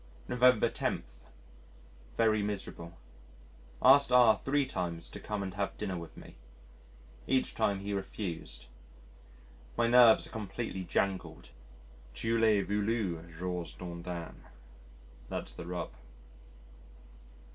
November 10. Very miserable. Asked R three times to come and have dinner with me. Each time he refused. My nerves are completely jangled. Tu l'as voulu, George Dandin that's the rub.